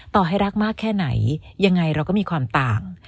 ต่อให้รักมากแค่ไหนยังไงเราก็มีความต่าง